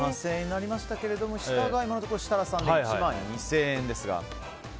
下が今のところ設楽さんで１万２０００円ですが。